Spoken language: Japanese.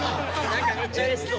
なんかめっちゃうれしそう。